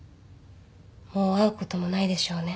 もう会うこともないでしょうね